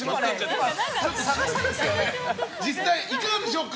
実際、いかがでしょうか？